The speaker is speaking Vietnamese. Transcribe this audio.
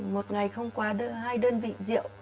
một ngày không quá hai đơn vị rượu